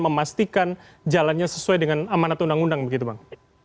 memastikan jalannya sesuai dengan amanat undang undang begitu bang